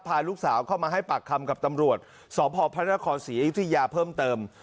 พาลูกสาวเข้ามาให้ปากคำกับตำรวจสพภศอายุทธิยาเพิ่มเติม